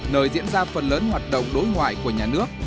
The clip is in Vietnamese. nơi diễn ra phần lớn hoạt động đối ngoại của nhà nước